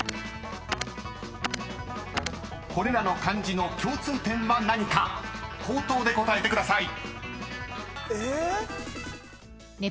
［これらの漢字の共通点は何か口答で答えてください］